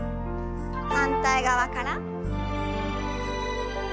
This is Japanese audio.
反対側から。